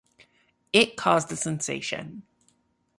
It caused a sensation.